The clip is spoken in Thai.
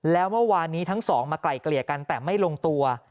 แล้วเมื่อวานนี้ทั้งสองมาไกลเกลี่ยกันแต่ไม่ลงตัว